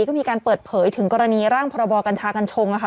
ก็มีการเปิดเผยถึงกรณีร่างพรบกัญชากัญชงนะคะ